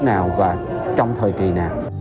nước nào và trong thời kỳ nào